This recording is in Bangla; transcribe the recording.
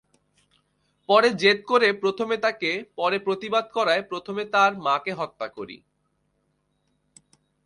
পরে জেদ করে প্রথমে তাকে, পরে প্রতিবাদ করায় তার মাকে হত্যা করি।